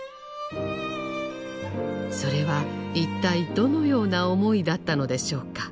それは一体どのような思いだったのでしょうか。